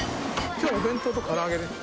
きょうはお弁当とから揚げです。